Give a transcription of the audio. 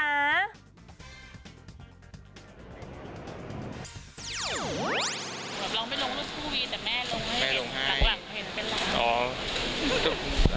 แบบเราไม่ลงรุ่นสู้วีแต่แม่ลงให้หลังหวังเห็นเป็นอะไร